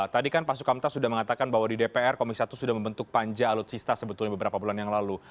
tadi kan pak sukamta sudah mengatakan bahwa di dpr komisi satu sudah membentuk panja alutsista sebetulnya beberapa bulan yang lalu